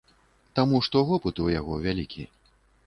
Таму што вопыт у яго вялікі.